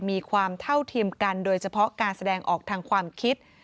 มีความเท่าเทียมกันโดยเฉพาะการแสดงออกทางความคิด